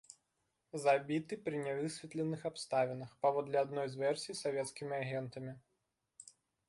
Забіты пры нявысветленых абставінах, паводле адной з версій, савецкімі агентамі.